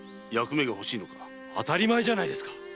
当たり前じゃないですか！